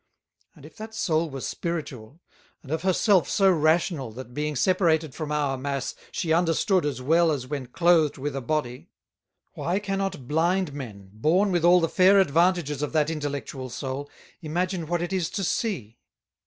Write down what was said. And if that Soul were Spiritual, and of her self so Rational that being separated from our Mass she understood as well as when Clothed with a Body; why cannot Blind Men, born with all the fair advantages of that intellectual Soul, imagine what it is to see?